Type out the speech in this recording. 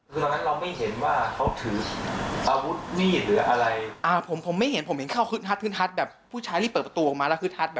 คือตอนนั้นเราไม่เห็นว่าเขาถืออาวุธนี่หรืออะไร